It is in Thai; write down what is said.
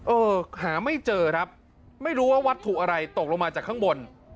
เออหาไม่เจอครับไม่รู้ว่าวัตถุอะไรตกลงมาจากข้างบน